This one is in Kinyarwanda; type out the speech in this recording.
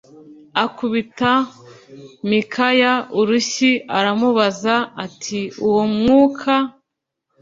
akubita Mikaya urushyi aramubaza ati Uwo mwuka